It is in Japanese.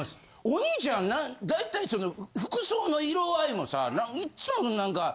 お兄ちゃんな大体その服装の色合いもさいつもなんか。